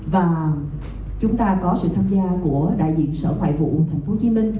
và chúng ta có sự tham gia của đại diện sở ngoại vụ tp hcm